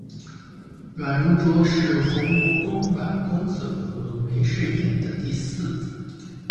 阮如琢是宏国公阮公笋和枚氏映的第四子。